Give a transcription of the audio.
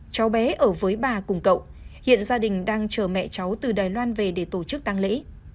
cháu bé ở với bà cùng cậu hiện gia đình đang chờ mẹ cháu từ đài loan về để tổ chức tăng lễ